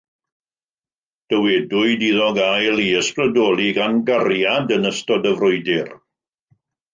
Dywedwyd iddo gael ei ysbrydoli gan gariad yn ystod y frwydr.